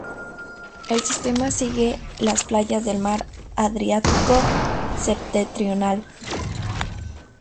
El sistema sigue las playas del mar Adriático septentrional.